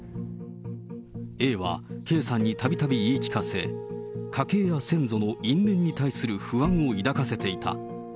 ＡはＫさんにたびたび言い聞かせ、家系や先祖の因縁に対する不安を抱かせていた。